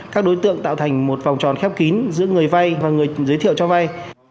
các đối tượng tạo thành một vòng tròn khép kín giữa người vay và người giới thiệu cho vay